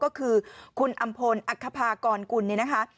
ก็คือคุณอำพลอัคภากรกุลเนี่ยนะคะ